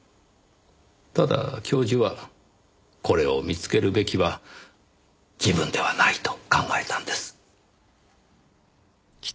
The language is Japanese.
ただ教授はこれを見つけるべきは自分ではないと考えたんです。